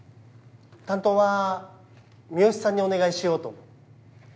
担当は三好さんにお願いしようと思う。